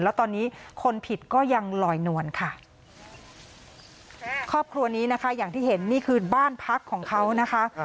แล้วตอนนี้คนผิดก็ยังลอยนวลค่ะครอบครัวนี้นะคะอย่างที่เห็นนี่คือบ้านพักของเขานะคะ